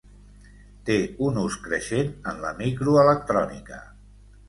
Té un ús creixent en la microelectrònica.